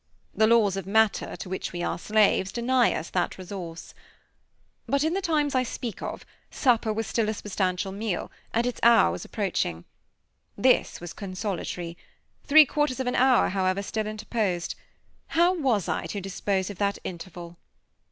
The laws of matter, to which we are slaves, deny us that resource. But in the times I speak of, supper was still a substantial meal, and its hour was approaching. This was consolatory. Three quarters of an hour, however, still interposed. How was I to dispose of that interval?